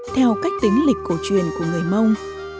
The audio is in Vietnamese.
một cách tính lịch cổ truyền của người mông